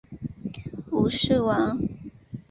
吴氏亡。